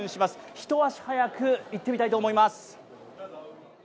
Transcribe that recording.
一足早く行ってみたいと思います。